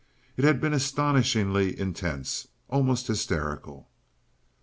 It had been astonishingly intense, almost hysterical.